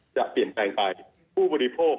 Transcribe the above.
จะเปลี่ยนแปลงไปผู้บริโภค